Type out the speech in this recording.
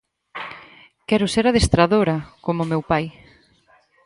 Quero ser adestradora, como meu pai.